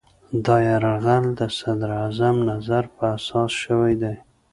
دا یرغل د صدراعظم نظر په اساس شوی دی.